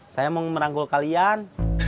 saya mau meranggul kalian